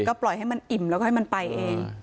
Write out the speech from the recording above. ก็ปล่อยให้มันอิ่มแล้วก็ให้มันไปเอง